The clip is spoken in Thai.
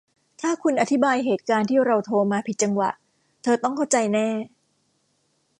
ถ้าคุณอธิบายเหตุการณ์ที่เราโทรมาผิดจังหวะ เธอต้องเข้าใจแน่